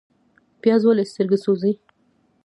پیاز ولې سترګې سوځوي؟